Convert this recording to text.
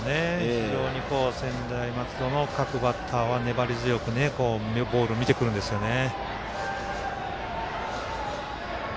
非常に専大松戸の各バッターは粘り強くボールを見てくるんですよね。